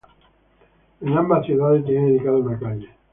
En ambas ciudades tiene dedicada una calle.